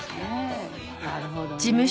なるほどね。